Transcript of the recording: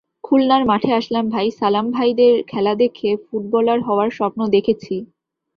খুলনার মাঠে আসলাম ভাই, সালাম ভাইদের খেলা দেখে ফুটবলার হওয়ার স্বপ্ন দেখেছি।